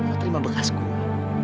lo terima bekas gue